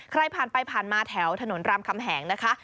ใครผ่านไปผ่านมาแถวถนนรามคำแหงนะคะ